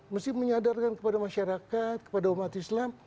mesti menyadarkan kepada masyarakat kepada umat islam